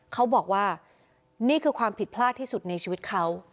เขาบอกว่านี่คือความผิดพลาดที่สุดในชีวิตเขา